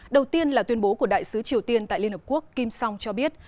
đầu tiên là tuyên bố của đại sứ triều tiên tại liên hợp quốc kim song cho biết